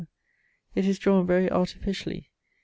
It is drawen very artificially.